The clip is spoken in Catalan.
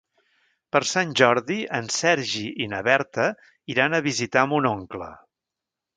Per Sant Jordi en Sergi i na Berta iran a visitar mon oncle.